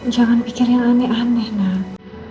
jangan pikir yang aneh aneh nak